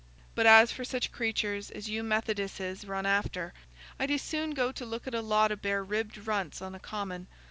But as for such creaturs as you Methodisses run after, I'd as soon go to look at a lot o' bare ribbed runts on a common.